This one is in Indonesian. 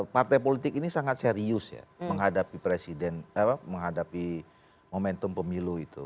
partai politik ini sangat serius ya menghadapi momentum pemilu itu